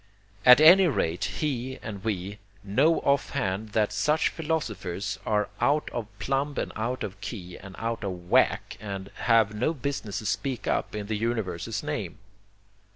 At any rate he and we know offhand that such philosophies are out of plumb and out of key and out of 'whack,' and have no business to speak up in the universe's name.